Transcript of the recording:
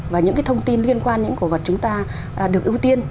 và những thông tin liên quan những cổ vật chúng ta được ưu tiên